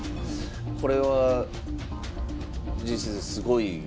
これは藤井先生すごい？ええ。